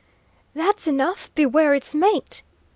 "That's enough, beware its mate!"